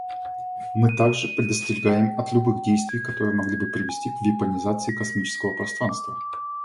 Мы также предостерегаем от любых действий, которые могли бы привести к вепонизации космического пространства.